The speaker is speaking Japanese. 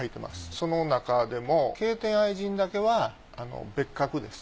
その中でも「敬天愛人」だけは別格です。